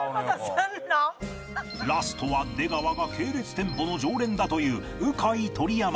ラストは出川が系列店舗の常連だといううかい鳥山